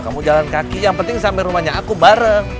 kamu jalan kaki yang penting sampai rumahnya aku bareng